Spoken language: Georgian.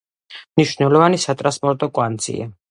მნიშვნელოვანი სატრანსპორტო კვანძია.